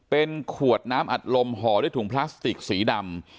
เป็นขวดน้ำอัดลมห่อด้วยถุงพลาสติกสีดำ